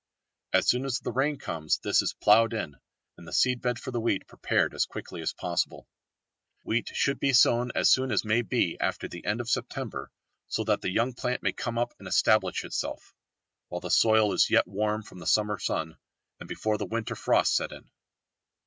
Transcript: As soon as the rain comes this is ploughed in, and the seed bed for the wheat prepared as quickly as possible. Wheat should be sown as soon as may be after the end of September, so that the young plant may come up and establish itself, while the soil is yet warm from the summer sun, and before the winter frosts set in.